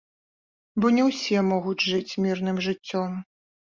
Бо не ўсе могуць жыць мірным жыццём.